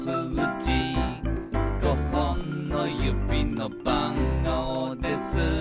「５ほんのゆびのばんごうです」